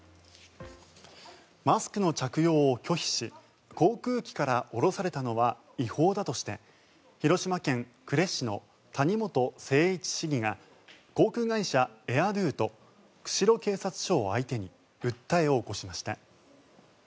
マスクの着用を拒否し航空機から降ろされたのは違法だとして広島県呉市の谷本誠一市議が航空会社エア・ドゥと釧路警察署を相手に訴えを起こしました。